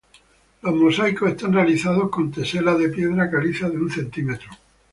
Los mosaicos están realizados con teselas de piedra caliza de un centímetro.